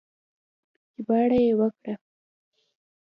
ژباړه يې وکړه